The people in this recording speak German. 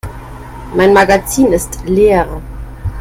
Mein Magazin ist leer.